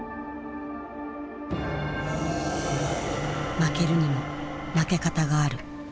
負けるにも負け方がある。